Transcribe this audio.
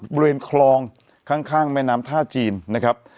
บริเวณคลองข้างแม่น้ำท่าจีนนะครับ